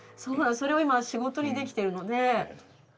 それを今仕事にできてるので。